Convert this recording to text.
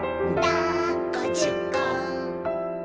「だっこじゅっこ」